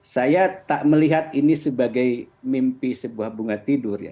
saya tak melihat ini sebagai mimpi sebuah bunga tidur ya